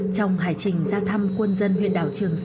trong hải trình ra thăm quân dân huyện tổ quốc